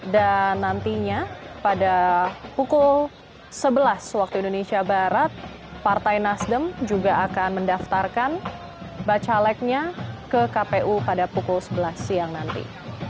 dan nantinya pada pukul sebelas waktu indonesia barat partai nasdem juga akan mendaftarkan bakal calegnya ke kpu pada pukul sebelas siang nanti